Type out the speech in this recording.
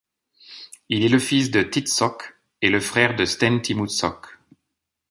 Il est le fils de Tiit Sokk et le frère de Sten-Timmu Sokk.